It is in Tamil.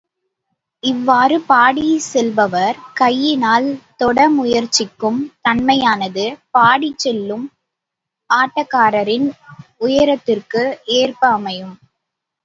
இவ்வாறு பாடிச் செல்பவர் கையினால் தொட முயற்சிக்கும் தன்மையானது, பாடிச் செல்லும் ஆட்டக்காரரின் உயரத்திற்கு ஏற்ப அமையும்.